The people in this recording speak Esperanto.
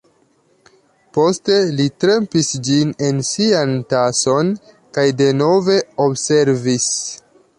Poste li trempis ĝin en sian tason, kaj denove observis.